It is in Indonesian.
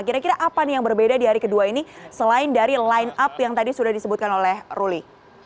kira kira apa nih yang berbeda di hari kedua ini selain dari line up yang tadi sudah disebutkan oleh ruli